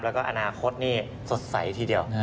แล้วก็อนาคตนี่สดใสทีเดียว